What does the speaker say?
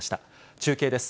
中継です。